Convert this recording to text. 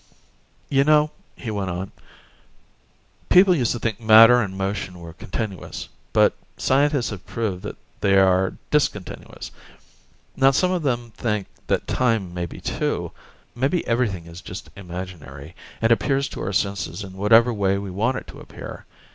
"You know," he went on, "people used to think matter and motion were continuous, but scientists have proved that they are discontinuous. Now some of them think time may be, too. Maybe everything is just imaginary, and appears to our senses in whatever way we want it to appear.